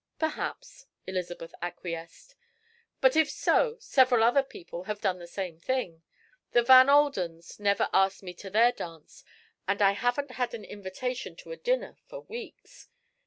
"Perhaps," Elizabeth acquiesced, "but if so, several other people have done the same thing. The Van Aldens never asked me to their dance, and I haven't had an invitation to a dinner for weeks.